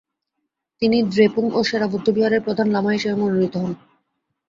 তিনি দ্রেপুং ও সেরা বৌদ্ধবিহারের প্রধান লামা হিসেবে মনোনীত হন।